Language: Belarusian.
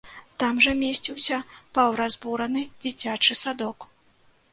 Там жа месціўся паўразбураны дзіцячы садок.